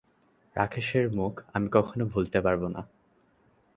রাকেশের মুখ আমি কখনো ভুলতে পারবো না।